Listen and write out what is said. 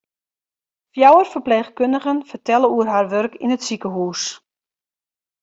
Fjouwer ferpleechkundigen fertelle oer har wurk yn it sikehûs.